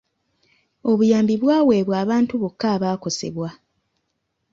Obuyambi bwaweebwa bantu bokka abaakosebwa.